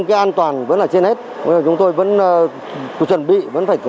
quận đống đa tiến hành tiêm chủng vaccine